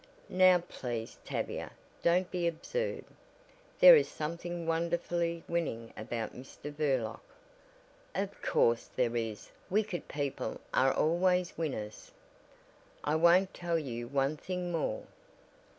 "Now please, Tavia, don't be absurd. There is something wonderfully winning about Mr. Burlock." "Of course there is. Wicked people are always winners." "I won't tell you one thing more!"